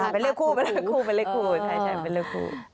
เป็นเลขคู่ใช่เป็นเลขคู่